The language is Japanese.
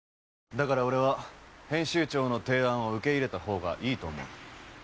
だから俺は編集長の提案を受け入れたほうがいいと思う。